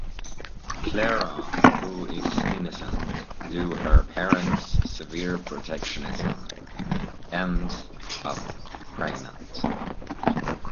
Clara, who is innocent due her parents' severe protectionism, ends up pregnant.